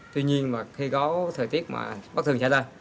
tuy nhiên mà khi có thời tiết mà bất thường xảy ra